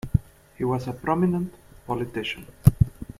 He was a prominent politician.